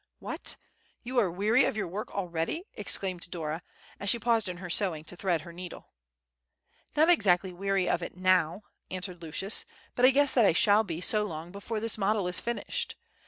"What, you are weary of your work already!" exclaimed Dora, as she paused in her sewing to thread her needle. "Not exactly weary of it now," answered Lucius, "but I guess that I shall be so long before this model is finished.